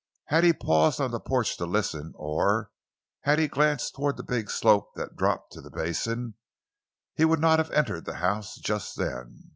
Had he paused on the porch to listen, or had he glanced toward the big slope that dropped to the basin, he would not have entered the house just then.